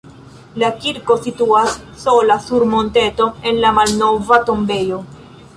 La kirko situas sola sur monteto en la malnova tombejo.